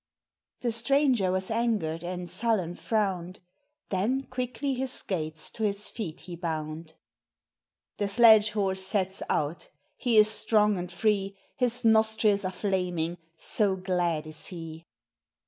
The stranger was angered and sullen frowned, Then quickly his skates to his feet he bound. The sledge horse sets out, he is strong and free, His nostrils are flaming, so glad is he.